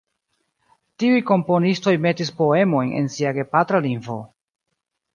Tiuj komponistoj metis poemojn en sia gepatra lingvo.